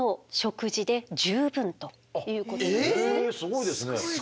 すごいですね。